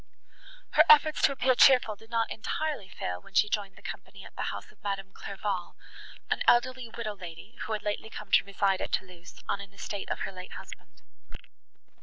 Her efforts to appear cheerful did not entirely fail when she joined the company at the house of Madame Clairval, an elderly widow lady, who had lately come to reside at Thoulouse, on an estate of her late husband.